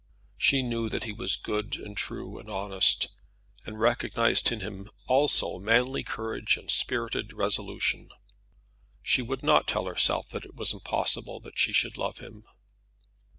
She knew that he was good and true, and honest, and recognized in him also manly courage and spirited resolution. She would not tell herself that it was impossible that she should love him.